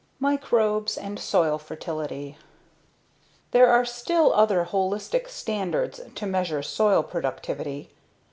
Microbes and Soil Fertility There are still other holistic standards to measure soil productivity.